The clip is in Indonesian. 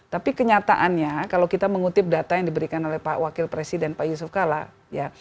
tapi kenyataannya kalau kita mengutip data yang diberikan oleh wakil presiden pak yusuf kalla